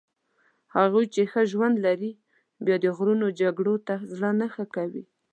هغوی چې ښه ژوند لري بیا د غرونو جګړو ته زړه نه ښه کوي.